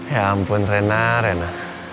ya ampun rena